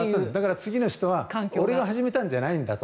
次の人は俺が始めたんじゃないんだと。